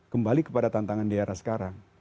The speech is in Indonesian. kembali kepada tantangan daerah sekarang